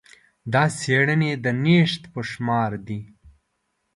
دا څېړنې د نشت په شمار دي.